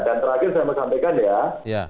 dan terakhir saya mau sampaikan ya